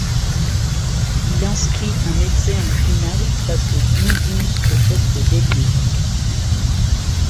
Il inscrit un essai en finale face aux Blue Bulls au poste d'ailier.